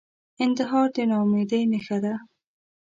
انتحار د ناامیدۍ نښه ده